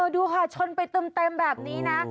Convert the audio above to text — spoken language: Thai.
ดูค่ะชนไปเต็มแบบนี้นะ